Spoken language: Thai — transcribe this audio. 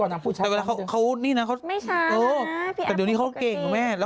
คุณแอฟอย่าพูดช้านะเธอเนอะ